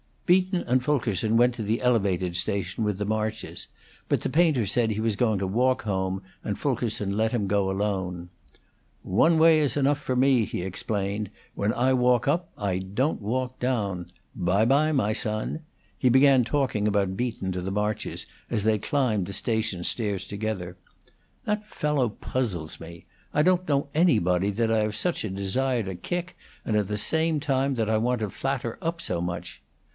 Beaton and Fulkerson went to the Elevated station with the Marches; but the painter said he was going to walk home, and Fulkerson let him go alone. "One way is enough for me," he explained. "When I walk up, I don't walk down. Bye bye, my son!" He began talking about Beaton to the Marches as they climbed the station stairs together. "That fellow puzzles me. I don't know anybody that I have such a desire to kick, and at the same time that I want to flatter up so much.